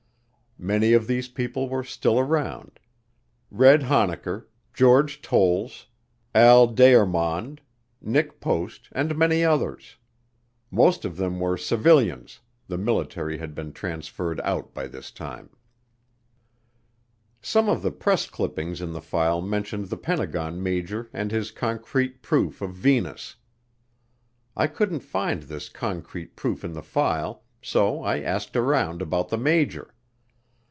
Many of these people were still around, "Red" Honnacker, George Towles, Al Deyarmond, Nick Post, and many others. Most of them were civilians, the military had been transferred out by this time. Some of the press clippings in the file mentioned the Pentagon major and his concrete proof of Venus. I couldn't find this concrete proof in the file so I asked around about the major.